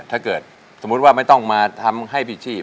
ถ้าเกิดสมมุติว่าไม่ต้องมาทำให้ผิดชีพ